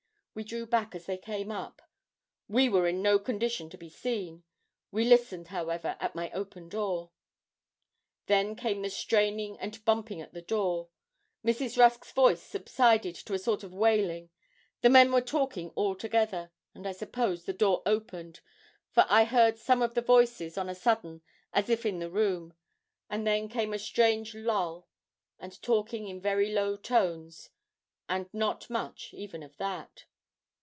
We drew back, as they came up. We were in no condition to be seen. We listened, however, at my open door. Then came the straining and bumping at the door. Mrs. Rusk's voice subsided to a sort of wailing; the men were talking all together, and I suppose the door opened, for I heard some of the voices, on a sudden, as if in the room; and then came a strange lull, and talking in very low tones, and not much even of that.